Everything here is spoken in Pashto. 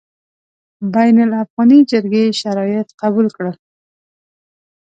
بین الافغاني جرګې شرایط قبول کړل.